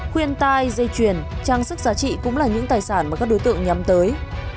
khuyên tai dây chuyền trang sức giá trị cũng là những tài sản mà các đối tượng nhắm tới